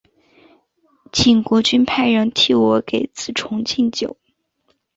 请国君派人替我给子重进酒。